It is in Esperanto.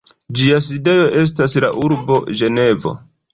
Ĝia sidejo estas la urbo Ĝenevo.